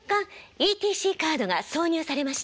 「ＥＣＴカードが挿入されました」